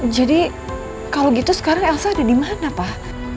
jadi kalau gitu sekarang elsa ada di mana pak